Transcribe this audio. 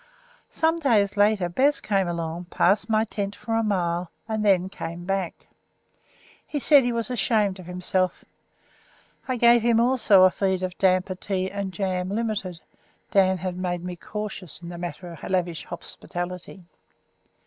Some days later Bez came along, passed my tent for a mile, and then came back. He said he was ashamed of himself. I gave him also a feed of damper, tea, and jam limited. Dan had made me cautious in the matter of lavish hospitality.